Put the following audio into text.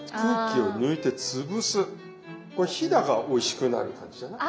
これヒダがおいしくなる感じじゃない？